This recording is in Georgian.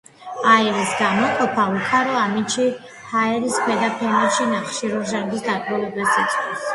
აირის გამოყოფა უქარო ამინდში ჰაერის ქვედა ფენებში ნახშირორჟანგის დაგროვებას იწვევს.